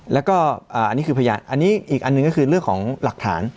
แล้วก็อันนี้คือพยานอันนี้อีกอันหนึ่งก็คือเรื่องของหลักฐาน